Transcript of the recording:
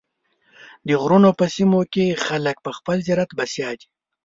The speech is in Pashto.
د غرونو په سیمو کې خلک په خپل زراعت بسیا دي.